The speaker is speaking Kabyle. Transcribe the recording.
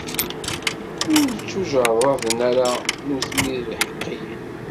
Ur ttujerraden ara nutni d iḥeqqiyen.